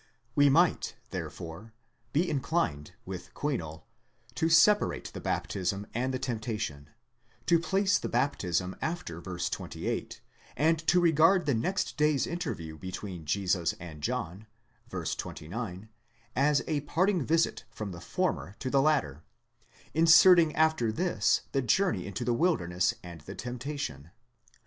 We might therefore be inclined, with Kuinol, to separate the baptism and the temptation, to place the baptism after v. 28, and to regard the next day's interview between Jesus and John (ν. 29) as a part ing visit from the former to the latter: inserting after this the journey into the wilderness and the temptation.